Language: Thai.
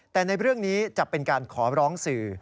แต่ในเรื่องนี้จะเป็นการขอร้องสื่อ